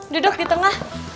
duduk di tengah